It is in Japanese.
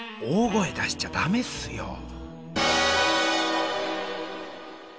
大声出しちゃダメっすよ！